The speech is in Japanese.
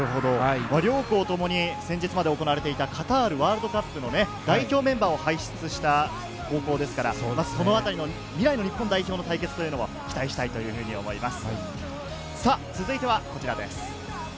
両校ともに先日まで行われていたカタールワールドカップの代表メンバーを輩出した高校ですから、その辺りの未来の日本代表の対決というのも期待したいと思います。